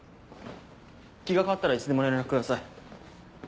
気が変わったらいつでも連絡ください。